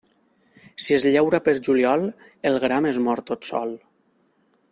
Si es llaura pel juliol, el gram es mor tot sol.